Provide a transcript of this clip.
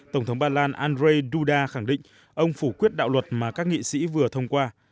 tổng thống ba lan andrej duda khẳng định ông phủ quyết đạo luật mà các nghị sĩ vừa thông qua